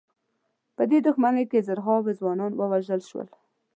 په دغه دښمنۍ کې زرهاوو ځوانان ووژل شول.